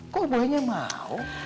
kok boynya mau